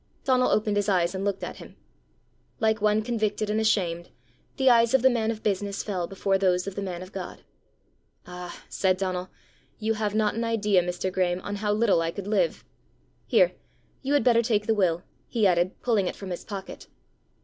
Donal opened his eyes and looked at him. Like one convicted and ashamed, the eyes of the man of business fell before those of the man of God. "Ah," said Donal, "you have not an idea, Mr. Graeme, on how little I could live! Here, you had better take the will," he added, pulling it from his pocket.